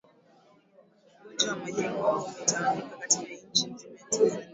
Ugonjwa wa majimoyo umetawanyika katika nchi nzima ya Tanzania